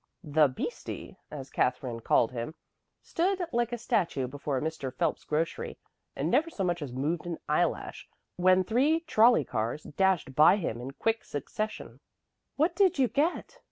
The "beastie," as Katherine called him, stood like a statue before Mr. Phelps's grocery and never so much as moved an eyelash when three trolley cars dashed by him in quick succession. "What did you get?"